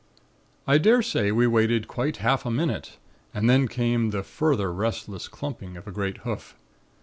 "I dare say we waited quite half a minute and then came the further restless clumping of a great hoof.